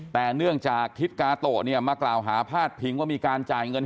แต่เนื่องจากทิศกาโตะเนี่ยมากล่าวหาพาดพิงว่ามีการจ่ายเงิน